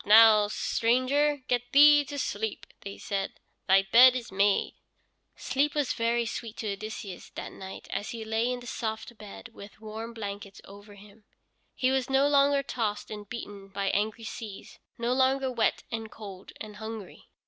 "Up now, stranger, get thee to sleep," said they. "Thy bed is made." Sleep was very sweet to Odysseus that night as he lay in the soft bed with warm blankets over him. He was no longer tossed and beaten by angry seas, no longer wet and cold and hungry.